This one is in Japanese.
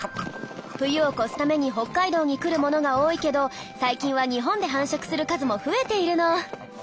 冬を越すために北海道に来るものが多いけど最近は日本で繁殖する数も増えているの。